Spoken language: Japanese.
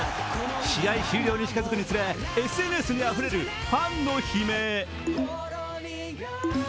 試合終了に近づくにつれＳＮＳにあふれるファンの悲鳴。